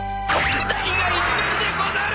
２人がいじめるでござる！